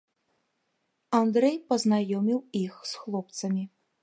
Андрэй пазнаёміў іх з хлопцамі.